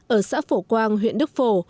ở xã phổ quang huyện đức phổ